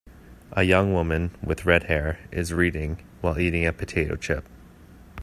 A young woman, with redhair, is reading, while eating a potato chip.